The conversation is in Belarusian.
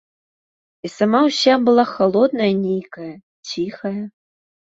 І сама ўся была халодная нейкая, ціхая.